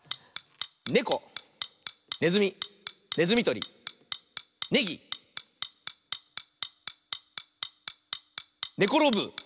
「ねこ」「ねずみ」「ねずみとり」「ねぎ」「ねころぶ」。